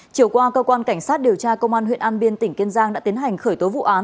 chiều qua cơ quan cảnh sát điều tra công an huyện an biên tỉnh kiên giang đã tiến hành khởi tố vụ án